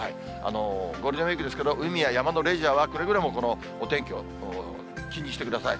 ゴールデンウィークですけど、海や山のレジャーは、くれぐれもこのお天気を気にしてください。